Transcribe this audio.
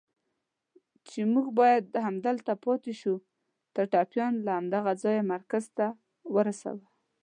چې موږ باید همدلته پاتې شو، ته ټپيان له دغه ځایه مرکز ته ورسوه.